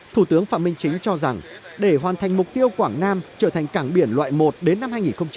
thủ tướng phạm minh chính cho rằng để hoàn thành mục tiêu quảng nam trở thành cảng biển loại một đến năm hai nghìn ba mươi